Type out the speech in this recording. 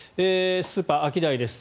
スーパー、アキダイです。